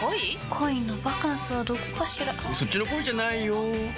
恋のバカンスはどこかしらそっちの恋じゃないよ